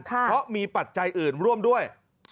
เพราะมีปัจจัยอื่นร่วมด้วย